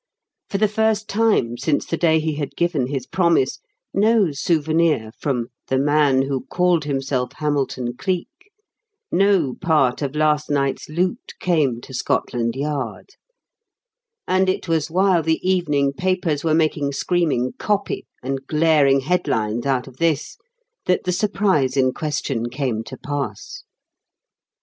For the first time since the day he had given his promise, no "souvenir" from "The Man Who Called Himself Hamilton Cleek," no part of last night's loot came to Scotland Yard; and it was while the evening papers were making screaming "copy" and glaring headlines out of this that the surprise in question came to pass.